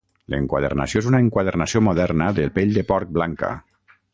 L'enquadernació és una enquadernació moderna de pell de porc blanca.